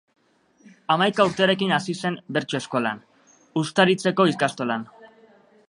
Hamaika urterekin hasi zen bertso eskolan, Uztaritzeko ikastolan.